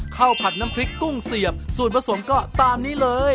ผัดน้ำพริกกุ้งเสียบส่วนผสมก็ตามนี้เลย